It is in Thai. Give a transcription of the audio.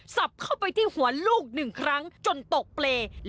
สับเข้าไปที่หัวลูกหนึ่งครั้งจนตกเปรย์